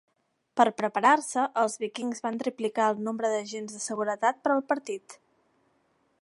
Per preparar-se, els Vikings van triplicar el nombre d'agents de seguretat per al partit.